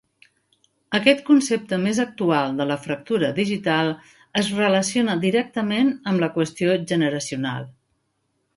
Aquest concepte més actual de la fractura digital es relaciona directament amb la qüestió generacional.